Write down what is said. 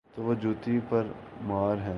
تو وہ جوتی پرمار ہیں۔